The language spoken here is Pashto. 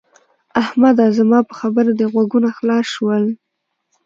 احمده! زما په خبره دې غوږونه خلاص شول؟